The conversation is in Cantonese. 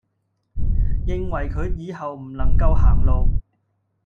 認為佢以後唔能夠行路